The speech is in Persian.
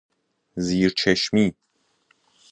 زیر چشمی